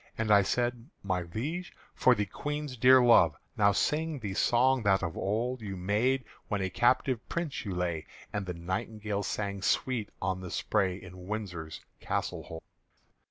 And I said, "My Liege, for the Queen's dear love Now sing the song that of old You made, when a captive Prince you lay, And the nightingale sang sweet on the spray, In Windsor's castle hold."